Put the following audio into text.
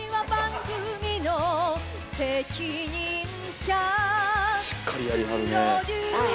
しっかりやりはるねえ。